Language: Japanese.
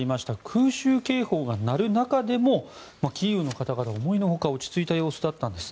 空襲警報が鳴る中でもキーウの方々は思いのほか落ち着いた様子だったんです。